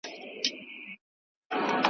زورور به په ځنګله کي تر هر چا وي `